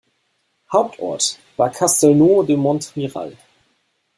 Hauptort war Castelnau-de-Montmiral.